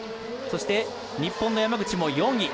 そして、日本の山口も４位。